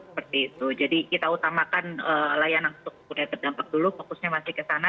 seperti itu jadi kita utamakan layanan untuk pengguna yang terdampak dulu fokusnya masih kesana